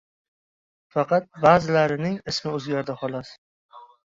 Faqat ba’zilarining ismi o‘zgardi, xolos.